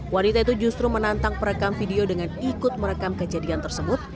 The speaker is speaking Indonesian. wanita itu justru menantang perekam video dengan ikut merekam kejadian tersebut